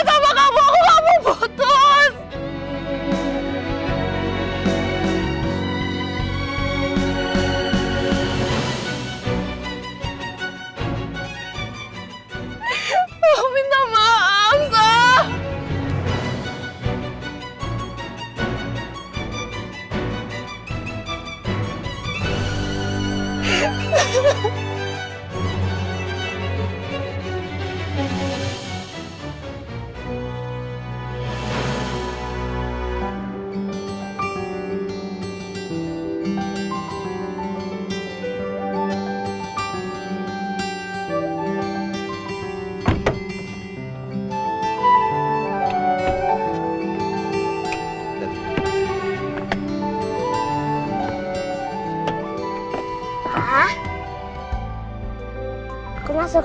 jalan pak baik wak